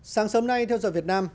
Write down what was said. sáng sớm nay theo dõi việt nam